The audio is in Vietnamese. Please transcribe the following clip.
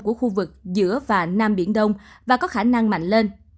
của khu vực giữa và nam biển đông và có khả năng mạnh lên